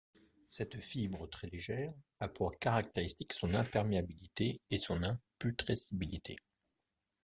Cette fibre très légère a pour caractéristique son imperméabilité et son imputrescibilité.